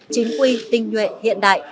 chính quy tinh nhuệ hiện đại